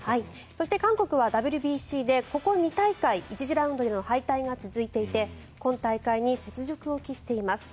そして、韓国はＷＢＣで１次ラウンドでの敗退が続いていて今大会に雪辱を期しています。